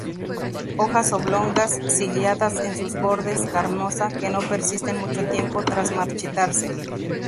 Hojas oblongas, ciliadas en sus bordes, carnosa, que no persisten mucho tiempo tras marchitarse.